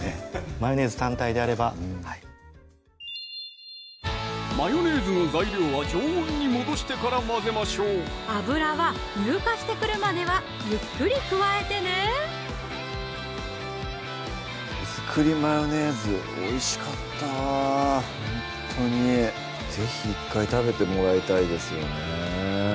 マヨネーズ単体であればはいマヨネーズの材料は常温に戻してから混ぜましょう油は乳化してくるまではゆっくり加えてね手作りマヨネーズおいしかったほんとに是非１回食べてもらいたいですよね